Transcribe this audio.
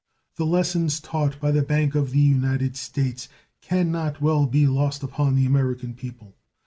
The lessons taught by the Bank of the United States can not well be lost upon the American people.